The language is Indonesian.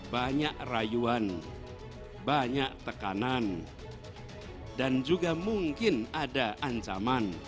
banyak rayuan banyak tekanan dan juga mungkin ada ancaman